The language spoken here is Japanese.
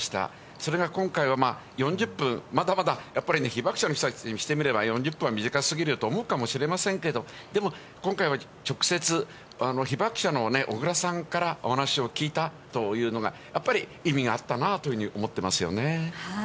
それが今回は４０分、まだまだ、やっぱり被爆者の人たちにしてみれば、４０分は短すぎると思うかもしれませんけど、でも、今回は直接、被爆者の小倉さんからお話を聞いたというのが、やっぱり意味があったなというふうに思っていますよね。